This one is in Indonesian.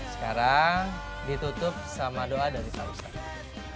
sekarang ditutup sama doa dari pak ustadz